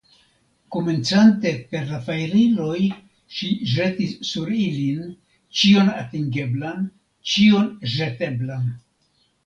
Komencante per la fajriloj, ŝi ĵetis sur ilin ĉion atingeblan, ĉion ĵeteblan.